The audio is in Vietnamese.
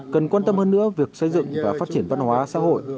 cần quan tâm hơn nữa việc xây dựng và phát triển văn hóa xã hội